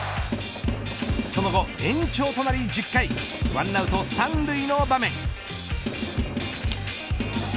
その後延長となり１０回１アウト３塁の場面。